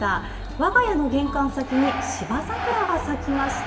我が家の玄関先に芝桜が咲きました。